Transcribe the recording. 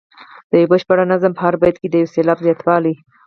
د یو بشپړ نظم په هر بیت کې د یو سېلاب زیاتوالی.